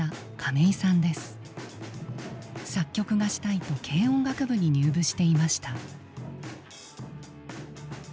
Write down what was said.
作曲がしたいと軽音楽部に入部していました。